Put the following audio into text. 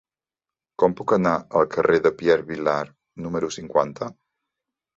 Com puc anar al carrer de Pierre Vilar número cinquanta?